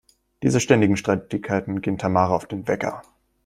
Diese ständigen Streitigkeiten gehen Tamara auf den Wecker.